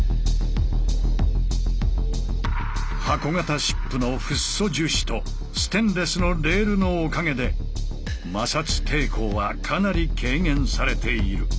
箱型シップのフッ素樹脂とステンレスのレールのおかげで摩擦抵抗はかなり軽減されている。